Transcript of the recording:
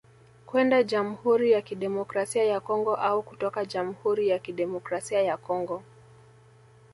Kwenda Jamhuri ya Kidemokrasia ya Kongo au kutoka jamhuri ya Kidemokrasia ya Congo